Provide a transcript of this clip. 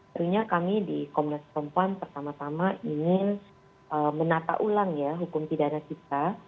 tentunya kami di komnas perempuan pertama tama ingin menata ulang ya hukum pidana kita